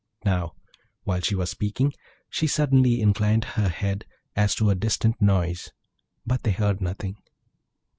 Now, while she was speaking, she suddenly inclined her ear as to a distant noise; but they heard nothing.